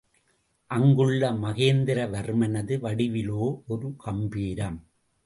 அங்குள்ள மகேந்திரவர்மனது வடிவிலோ ஒரு கம்பீரம்.